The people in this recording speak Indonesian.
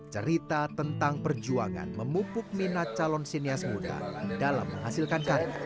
cerita tentang perjuangan memupuk minat calon sinias muda dalam menghasilkan karya